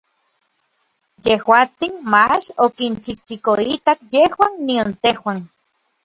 Yejuatsin mach okinchijchikoitak yejuan nion tejuan.